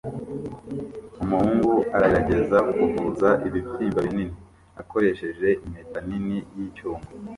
Umuhungu aragerageza kuvuza ibibyimba binini akoresheje impeta nini yicyuma